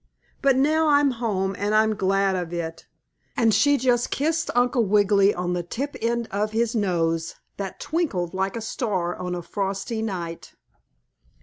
But now I'm home, and I'm glad of it," and she just kissed Uncle Wiggily on the tip end of his nose, that twinkled like a star on a frosty night.